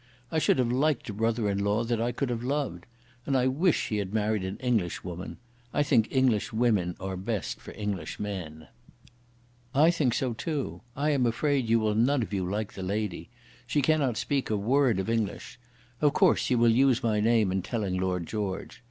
I should have liked a brother in law that I could have loved. And I wish he had married an English woman. I think English women are best for English men." "I think so too. I am afraid you will none of you like the lady. She cannot speak a word of English. Of course you will use my name in telling Lord George.